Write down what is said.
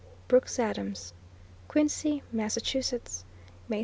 BROOKS ADAMS. QUINCY, MASSACHUSETTS, May 17, 1913.